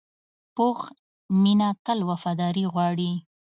پوخ مینه تل وفاداري غواړي